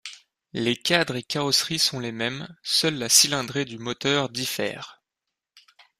Les cadres et carrosseries sont les mêmes, seule la cylindrée du moteur différe.